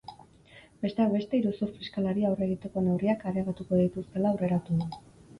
Besteak beste, iruzur fiskalari aurre egiteko neurriak areagotuko dituztela aurreratu du.